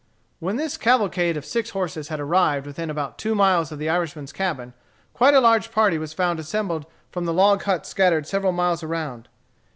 When this cavalcade of six horses had arrived within about two miles of the Irishman's cabin, quite a large party was found assembled from the log huts scattered several miles around.